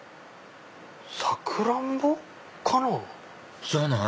サクランボかな。